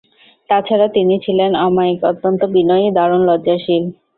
তাছাড়া তিনি ছিলেন অমায়িক, অত্যন্ত বিনয়ী, দারুণ লজ্জাশীল।